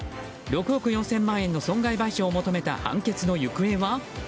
６億４０００万円の損害賠償を求めた判決の行方は？